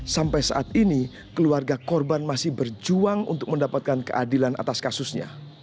sampai saat ini keluarga korban masih berjuang untuk mendapatkan keadilan atas kasusnya